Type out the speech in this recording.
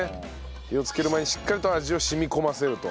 火をつける前にしっかりと味を染み込ませると。